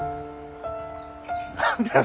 何だよ？